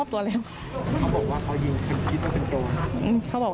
อัลวิว